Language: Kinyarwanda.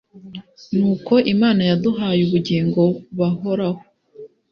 ni uko Imana yaduhaye ubugingo bahoraho,